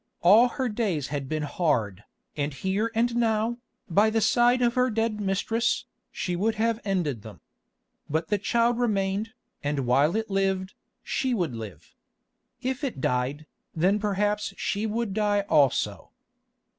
All her days had been hard, and here and now, by the side of her dead mistress, she would have ended them. But the child remained, and while it lived, she would live. If it died, then perhaps she would die also.